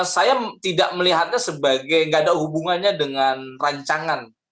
saya tidak melihatnya sebagai tidak ada hubungannya dengan rancangan